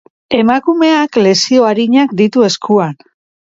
Emakumeak lesio arinak ditu eskuan.